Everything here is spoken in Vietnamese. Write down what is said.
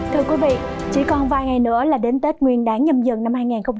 thưa quý vị chỉ còn vài ngày nữa là đến tết nguyên đáng nhầm dừng năm hai nghìn hai mươi hai